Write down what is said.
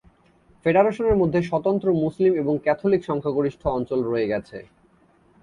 ফেডারেশনের মধ্যে, স্বতন্ত্র মুসলিম এবং ক্যাথলিক সংখ্যাগরিষ্ঠ অঞ্চল রয়ে গেছে।